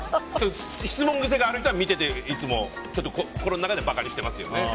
質問癖がある人は見てて、いつも心の中で馬鹿にしてますよね。